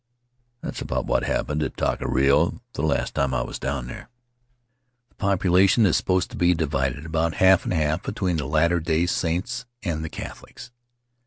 "That's about what happened at Taka Raro the last time I was down there. The population is supposed to be divided about half and half between the Latter Day Saints and the Catholics.